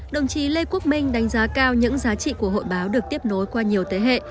đồng chí lê quốc minh đánh giá cao những giá trị của hội báo được tiếp nối qua nhiều thế hệ